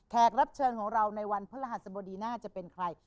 รับเชิญของเราในวันพระรหัสบดีน่าจะเป็นใคร